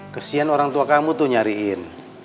kesian orang tua kamu tuh nyariin